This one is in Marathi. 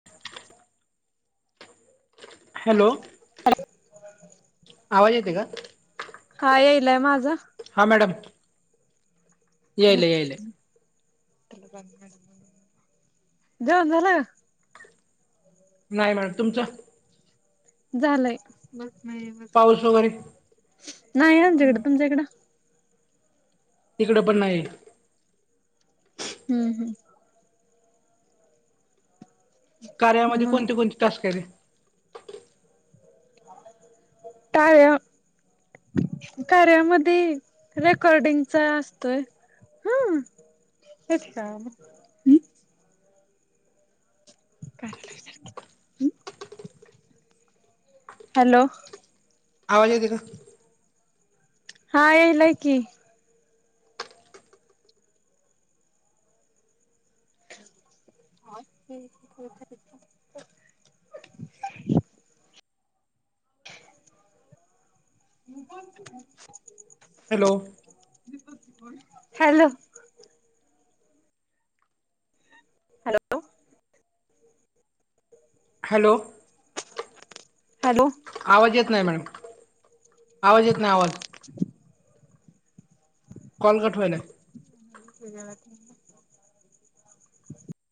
[unintelligible] हॅलो [unintelligible] आवाज येते का? हा येईलाय, माझा. हां मॅडम. यायला यायला जेवण झाल का? नाही मॅडम, तुमचं. झालंय. पाऊस वगैरे. नाही आमच्याकडं, तुमच्याकडं. ईकड पण नाहीय. हम्म हम्म. हम्म कार्यामध्ये मग कोणते कोणती टास्के रे. टाय कार्यामधी, रेकॉर्डिंगचा असतोय, ह. अछा [unintelligible] [inaudible] हॅलो. आवाज येत का? हा येल हे की. ते [unintelligible] म [unintelligible] hello. Hello. Hello. Hello. Hello. आवाज येत नाही मॅडम, आवाज येत नाही आवाज. Call cut व्हायलाय. [unintelligible]